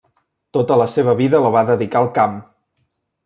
Tota la seva vida la va dedicar al camp.